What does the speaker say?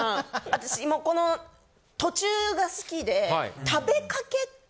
私この途中が好きで。